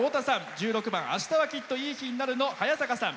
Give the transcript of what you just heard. １６番「明日はきっといい日になる」のはやさかさん。